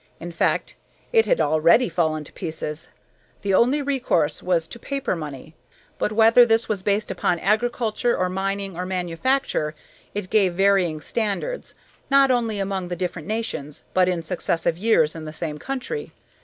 In fact, it had already fallen to pieces; the only recourse was to paper money, but whether this was based upon agriculture or mining or manufacture, it gave varying standards, not only among the different nations, but in successive years in the same country.